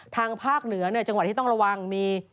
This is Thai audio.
ทางภาคเหนือจังหวัดที่ต้องระวังมี